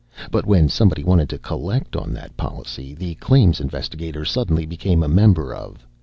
But when somebody wanted to collect on that policy, the claims investigator suddenly became a member of